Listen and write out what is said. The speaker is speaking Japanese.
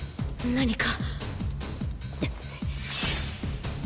何か。